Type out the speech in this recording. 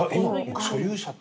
所有者って。